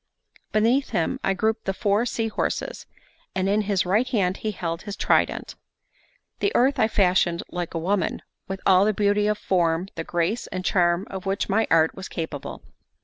Beneath him I grouped the four sea horses, and in his right hand he held his trident. The earth I fashioned like a woman, with all the beauty of form, the grace, and charm of which my art was capable.